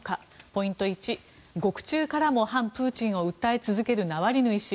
ポイント１、獄中からも反プーチンを訴え続けるナワリヌイ氏。